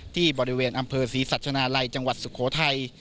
ที่บริเวณอำเภอศรีสัชนาลัยจังหวัดสุโขทัย